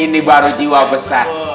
ini baru jiwa besar